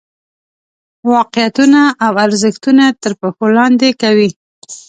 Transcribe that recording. واقعیتونه او ارزښتونه تر پښو لاندې کوي.